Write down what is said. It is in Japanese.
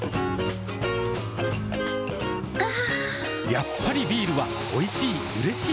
やっぱりビールはおいしい、うれしい。